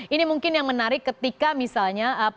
ini mungkin yang menarik ketika misalnya